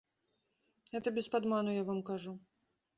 Гэта без падману я вам кажу.